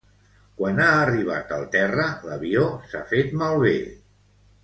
Quan ha arribat al terra, l'avió s'ha fet malbé.